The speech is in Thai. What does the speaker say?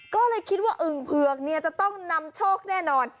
ก็เลยคิดว่าอึ่งเผือกเนี่ยจะต้องนำโชคแน่นอน